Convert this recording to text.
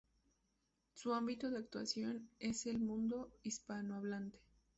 Su ámbito de actuación es el mundo hispanohablante.